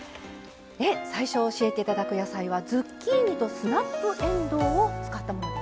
最初教えて頂く野菜はズッキーニとスナップえんどうを使ったものですね。